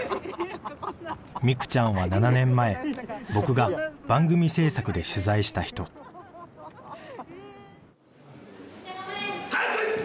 未久ちゃんは７年前僕が番組制作で取材した人はっけよい。